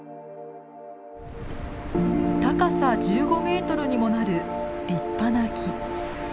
高さ１５メートルにもなる立派な木。